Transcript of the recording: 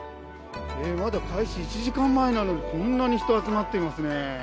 まだ開始１時間前なのに、こんなに人が集まっていますね。